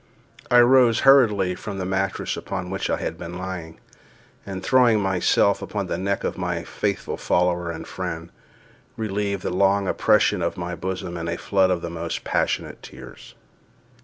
I rose hurriedly from the mattress upon which I had been lying, and, throwing myself upon the neck of my faithful follower and friend, relieved the long oppression of my bosom in a flood of the most passionate tears.